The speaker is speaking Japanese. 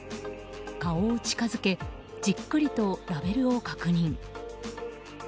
顔を近づけじっくりとラベルを確認。